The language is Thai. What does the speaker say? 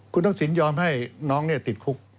คุณทักษิณยอมให้น้องติดคุก